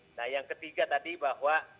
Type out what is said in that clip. nah yang ketiga tadi bahwa